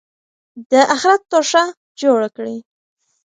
د آخرت توښه جوړه کړئ.